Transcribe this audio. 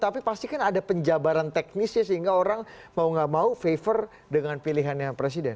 tapi pasti kan ada penjabaran teknisnya sehingga orang mau gak mau favor dengan pilihannya presiden